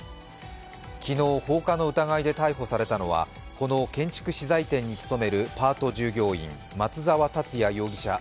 昨日、放火の疑いで逮捕されたのはこの建築資材店に勤めるパート従業員松沢達也容疑者